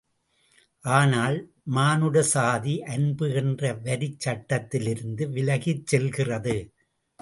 ஆனால் மானுடசாதி அன்பு என்ற வரிச்சட்டத்திலிருந்து விலகிச் செல்கிறது.